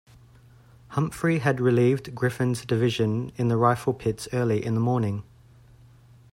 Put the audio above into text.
Humphrey had relieved Griffin's division in the rifle pits early in the morning.